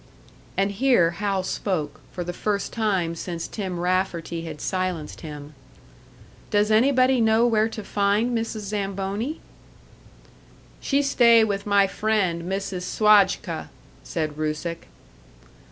And here Hal spoke, for the first time since Tim Rafferty had silenced him. "Does anybody know where to find Mrs. Zamboni?" "She stay with my friend, Mrs. Swajka," said Rusick.